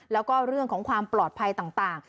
แล้วก็เรื่องของความปลอดภัยต่าง